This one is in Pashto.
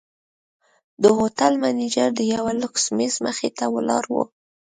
د هوټل منیجر د یوه لوکس میز مخې ته ولاړ و.